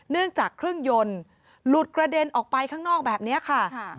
จากเครื่องยนต์หลุดกระเด็นออกไปข้างนอกแบบนี้ค่ะ